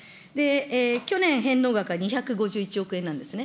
去年、返納額が２５１億円なんですね。